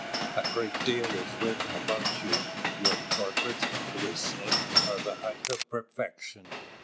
"A great deal is written about you: your portraits, it is said, are the height of perfection."